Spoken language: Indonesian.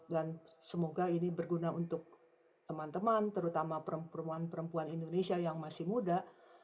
dan semoga ini berguna untuk teman teman terutama perempuan perempuan indonesia yang masih muda